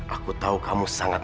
aku tahu kamu sangat